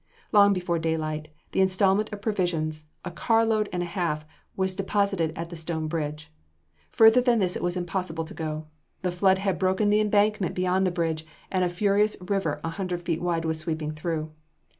Long before daylight, the installment of provisions a car load and a half was deposited at the Stone Bridge. Further than this it was impossible to go. The flood had broken the embankment beyond the bridge and a furious river a hundred feet wide was sweeping through.